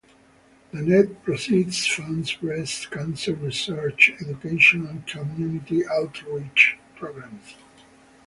The net proceeds fund breast cancer research, education, and community outreach programs.